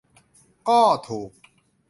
ก็ถูก